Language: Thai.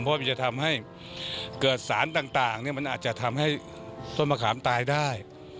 เพราะมันจะทำให้เกิดสารต่างมันอาจจะทำให้ต้นมะขามตายได้